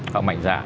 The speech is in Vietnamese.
họ mạnh dạng